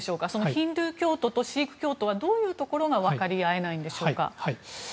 ヒンドゥー教徒とシーク教徒はどういうところが分かり合えないんでしょうか？